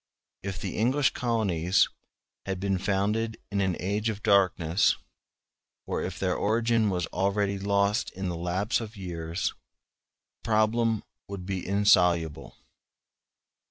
If the English colonies had been founded in an age of darkness, or if their origin was already lost in the lapse of years, the problem would be insoluble.